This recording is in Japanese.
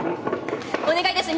お願いです